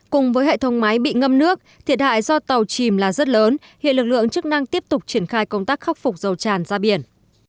cùng với hệ thống máy bị ngâm nước thiệt hại do tàu chìm là rất lớn hiện lực lượng chức năng tiếp tục triển khai công tác khắc phục dầu tràn ra biển